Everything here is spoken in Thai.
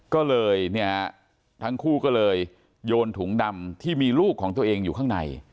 ก็เลยเนี่ยทั้งคู่ก็เลยโยนถุงดำที่มีลูกของตัวเองอยู่ข้างใน